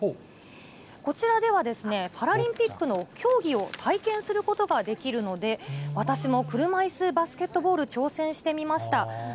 こちらではパラリンピックの競技を体験することができるので、私も車いすバスケットボール、挑戦してみました。